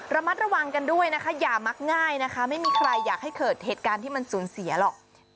ระมัดระวังกันด้วยนะคะอย่ามักง่ายนะคะไม่มีใครอยากให้เกิดเหตุการณ์ที่มันสูญเสียหรอก